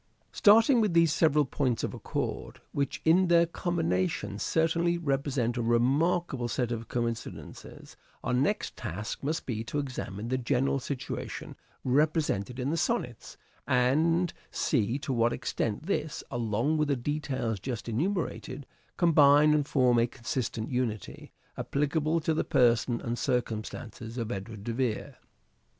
Starting with these several points of accord, which in their combination certainly represent a remarkable set of coincidences, our next task must be to examine the general situation represented in the Sonnets, and see to what extent this, along with the details just enumerated, combine and form a consistent unity, applicable to the person and circumstances of Edward de Vere.